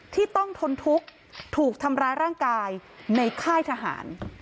ที่ต้องทนทุกข์ถูกทำร้ายร่างกายในค่ายทหาร